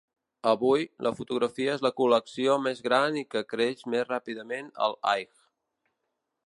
Avui, la fotografia és la col·lecció més gran i que creix més ràpidament al High.